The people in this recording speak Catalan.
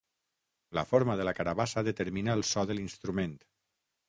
La forma de la carabassa determina el so de l'instrument.